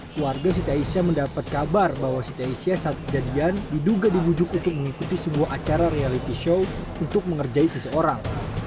keluarga siti aisyah mendapat kabar bahwa siti aisyah saat kejadian diduga dibujuk untuk mengikuti sebuah acara reality show untuk mengerjai seseorang